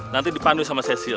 nanti dipandu sama cecil